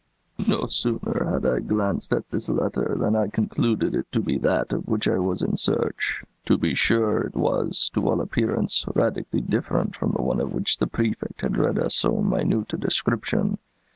"No sooner had I glanced at this letter than I concluded it to be that of which I was in search. To be sure, it was, to all appearance, radically different from the one of which the Prefect had read us so minute a description.